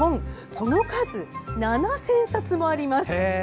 その数、７０００冊もあります。